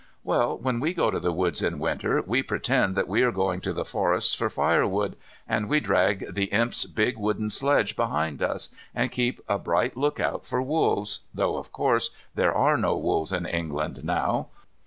Well, when we go to the woods in winter we pretend that we are going to the forests for firewood and we drag the Imp's big wooden sledge behind us, and keep a bright look out for wolves, though, of course, there are no wolves in England now.